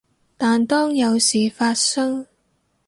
但當有事發生